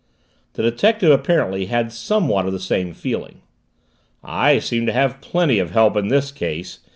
The detective, apparently, had somewhat of the same feeling. "I seem to have plenty of help in this case!"